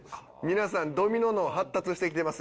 皆さんドミノ脳発達してきてます